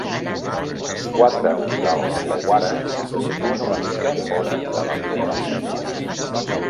Quatre dels "tawara" se situen una mica fora de la línia del cercle.